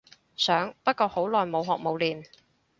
想不過好耐冇學冇練